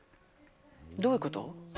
どういうこと？